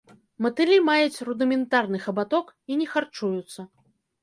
Матылі маюць рудыментарны хабаток і не харчуюцца.